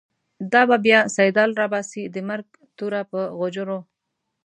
دا به بیا« سیدال» راباسی، د مرگ توره په غوجرو